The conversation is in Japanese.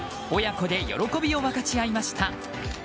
親子で喜びを分かち合いました。